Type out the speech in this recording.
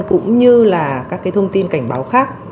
cũng như là các thông tin cảnh báo khác